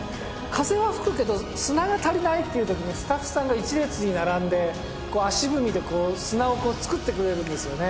風は吹くけど砂が足りないっていう時にスタッフさんが一列に並んで足踏みで砂を作ってくれるんですよね